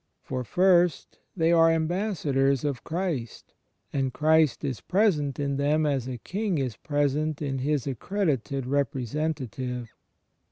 For, first, they are Ambassadors of Christ; and Christ is present in them as a King is present in his accredited Representative.